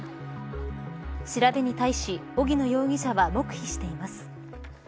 調べに対し荻野容疑者は黙秘しています。